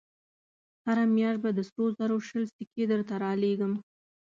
هره مياشت به د سرو زرو شل سيکې درته رالېږم.